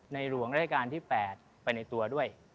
หลวงราชการที่๘ไปในตัวด้วย